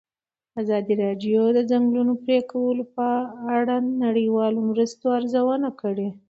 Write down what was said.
ازادي راډیو د د ځنګلونو پرېکول په اړه د نړیوالو مرستو ارزونه کړې.